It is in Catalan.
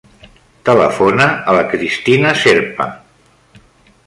Telefona a la Cristina Zerpa.